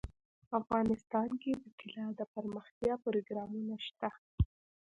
افغانستان کې د طلا لپاره دپرمختیا پروګرامونه شته.